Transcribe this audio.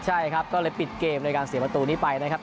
ใช่ครับก็เลยปิดเกมโดยการเสียประตูนี้ไปนะครับ